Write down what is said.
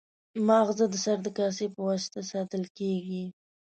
ماغزه د سر د کاسې په واسطه ساتل کېږي.